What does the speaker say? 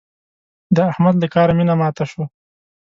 د احمد له کاره مينه ماته شوه.